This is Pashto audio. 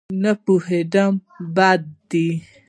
نه پوهېدل بد دی.